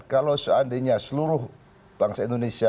kalau seandainya seluruh bangsa indonesia